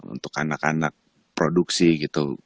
untuk anak anak produksi gitu